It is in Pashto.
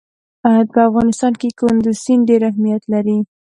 په افغانستان کې کندز سیند ډېر اهمیت لري.